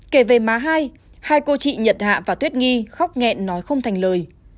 kể về má hai hai cô chị nhật hạ và tuyết nghi khóc nghẹn nói không thành lời